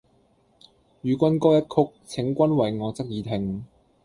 與君歌一曲，請君為我側耳聽！